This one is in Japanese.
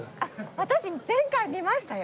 私前回見ましたよ！